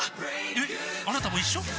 えっあなたも一緒？